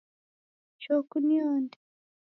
Choo kunionde